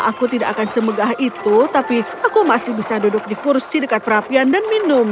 aku tidak akan semegah itu tapi aku masih bisa duduk di kursi dekat perapian dan minum